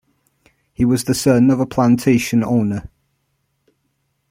He was the son of a plantation owner.